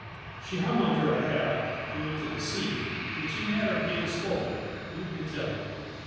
She hung onto her hat, and to the seat, and she had her hands full, let me tell you.